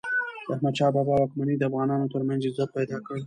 د احمد شاه بابا واکمني د افغانانو ترمنځ عزت پیدا کړ.